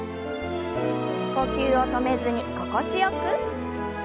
呼吸を止めずに心地よく。